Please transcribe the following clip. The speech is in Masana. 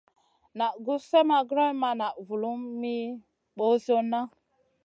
Naʼ gus slèʼ ma grewn ma naʼ ma vulum mi ɓosionna.